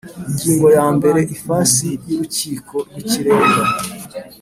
Ingingo ya mbere Ifasi y Urukiko rw Ikirenga